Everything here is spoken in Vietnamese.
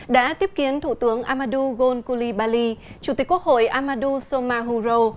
đã tiếp kiến thủ tướng amadou ghosn koulibaly chủ tịch quốc hội amadou somahuro